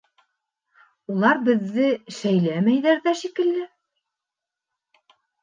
Улар беҙҙе шәйләмәйҙәр ҙә шикелле.